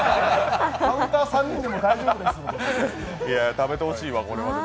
カウンター３人でも大丈夫です。